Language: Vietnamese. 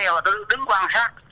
và tôi đứng quan sát